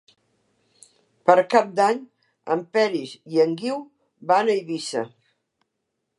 Per Cap d'Any en Peris i en Guiu van a Eivissa.